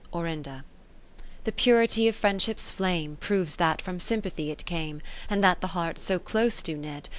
Orinda The purity of Friendship's flame, Proves that from sympathy it came. And that the hearts so close do knit.